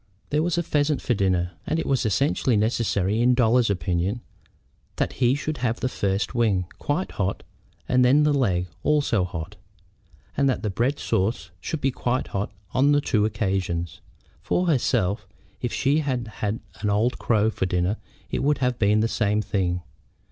There was a pheasant for dinner, and it was essentially necessary, in Dolly's opinion, that he should have first the wing, quite hot, and then the leg, also hot, and that the bread sauce should be quite hot on the two occasions. For herself, if she had had an old crow for dinner it would have been the same thing.